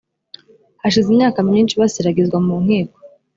hashize imyaka myinshi basiragizwa mu nkiko